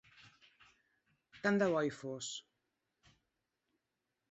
Tant de bo hi fos!